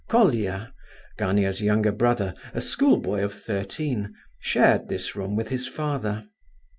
Colia, Gania's young brother, a school boy of thirteen, shared this room with his father.